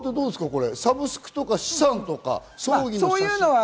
サブスクとか資産とか、葬儀の写真は？